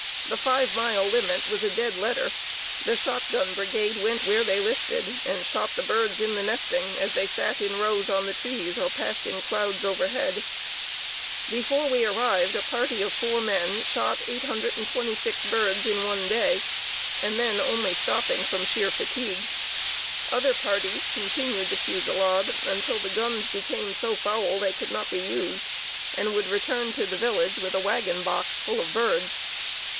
The five mile limit was a dead letter. The shotgun brigade went where they listed, and shot the birds in the nesting as they sat in rows on the trees or passed in clouds overhead. Before we arrived, a party of four men shot 826 birds in one day and then only stopping from sheer fatigue. Other parties continued the fusillade until the guns became so foul they could not be used, and would return to the village with a wagon box full of birds.